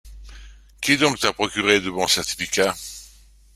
Qui donc t’a procuré de bons certificats ?